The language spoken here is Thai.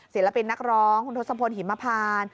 ศิลปินนักร้องคุณทศพลหิมพาน